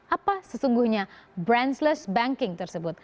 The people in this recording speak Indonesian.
apa sesungguhnya branchless banking tersebut